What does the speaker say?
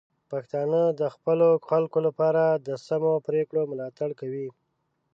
پښتانه د خپلو خلکو لپاره د سمو پریکړو ملاتړ کوي.